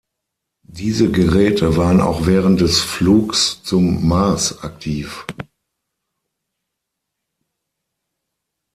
Diese Geräte waren auch während des Flugs zum Mars aktiv.